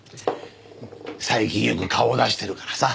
最近よく顔を出してるからさ。